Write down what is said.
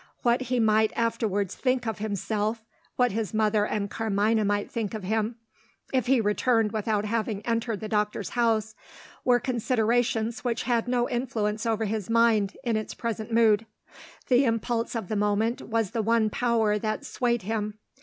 What he might afterwards think of himself what his mother and Carmina might think of him if he returned without having entered the doctors' house, were considerations which had no influence over his mind, in its present mood. The impulse of the moment was the one power that swayed him.